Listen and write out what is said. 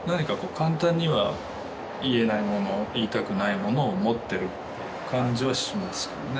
簡単には言えないもの言いたくないものを持ってるっていう感じはしますよね